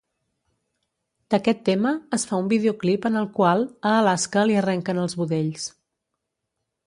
D'aquest tema es fa un videoclip en el qual a Alaska li arrenquen els budells.